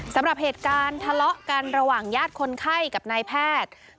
สำหรับเหตุการณ์ทะเลาะกันระหว่างญาติคนไข้กับนายแพทย์